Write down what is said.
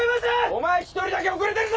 お前一人だけ遅れてるぞ！